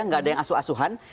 gak ada yang asuh asuhan